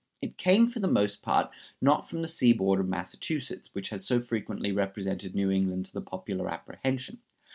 It came for the most part, not from the seaboard of Massachusetts, which has so frequently represented New England to the popular apprehension.